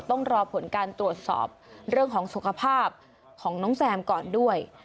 ต้องรอผลการตรวจสอบเรื่องของสุขภาพของน้องแซมก่อนด้วย